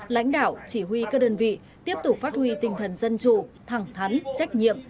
lãnh đạo chỉ huy các đơn vị tiếp tục phát huy tinh thần dân chủ thẳng thắn trách nhiệm